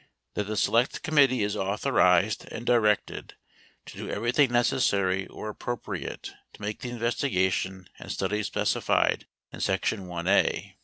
That the select committed is authorized and 13 directed to do everything necessary or appropriate to make 14 the investigation and study specified in section 1 (a)